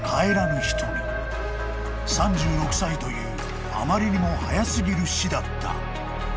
［３６歳というあまりにも早過ぎる死だった］